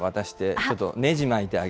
ちょっとね。